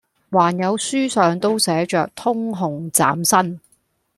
還有書上都寫着，通紅斬新！」